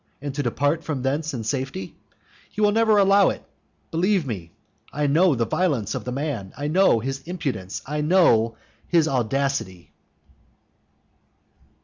and to depart from thence in safety? He never will allow it, believe me. I know the violence of the man, I know his impudence, I know his audacity.